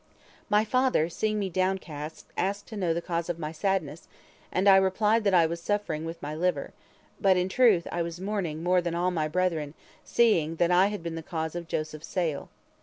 My father, seeing me downcast, asked to know the cause of my sadness, and I replied that I was suffering with my liver, but in truth I was mourning more than all my brethren, seeing that I had been the cause of Joseph's sale.